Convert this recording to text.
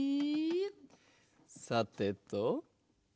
さてと。